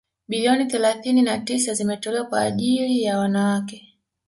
bilioni thelathini na tisa zimetolewa kwa ajiri ya wanawake